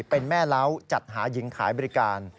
เป็นแม่เล้าจัดหาหญิงขายบริการ